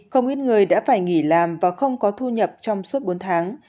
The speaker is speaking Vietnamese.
không ít người đã phải nghỉ làm và không có thu nhập trong suốt bốn tháng